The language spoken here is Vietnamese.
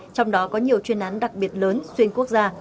trong đó có nhiều chuyên án đặc biệt lớn xuyên quốc gia